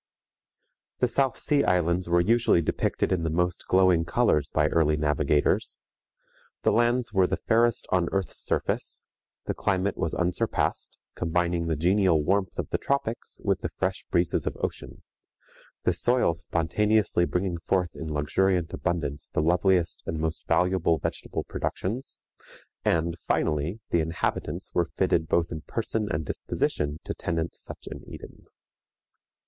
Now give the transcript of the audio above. The South Sea Islands were usually depicted in the most glowing colors by early navigators. The lands were the fairest on earth's surface; the climate was unsurpassed, combining the genial warmth of the tropics with the fresh breezes of ocean; the soil spontaneously bringing forth in luxuriant abundance the loveliest and most valuable vegetable productions; and, finally, the inhabitants were fitted both in person and disposition to tenant such an Eden.